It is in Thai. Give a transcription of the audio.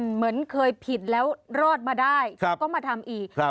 เหมือนเคยผิดแล้วรอดมาได้ก็มาทำอีก